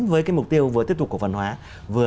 với cái mục tiêu vừa tiếp tục cổ phần hóa vừa